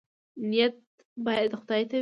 نیت باید خدای ته وي